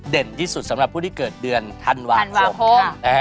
ที่สุดสำหรับผู้ที่เกิดเดือนธันวาคม